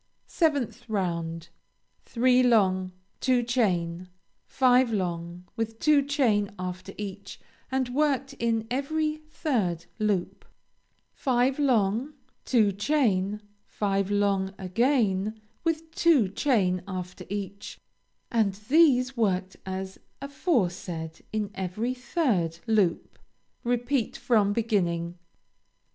7th round Three long, two chain, five long with two chain after each and worked in every third loop, five long, two chain, five long again with two chain after each, and these long worked as aforesaid in every third loop; repeat from beginning.